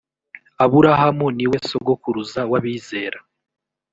aburahamu niwe sogokuruza w’abizera